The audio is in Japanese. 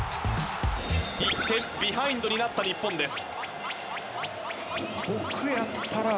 １点ビハインドになった日本です。